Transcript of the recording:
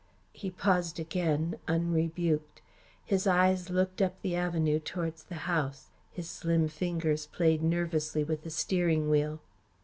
He paused again, unrebuked. His eyes looked up the avenue towards the house. His slim fingers played nervously with the steering wheel.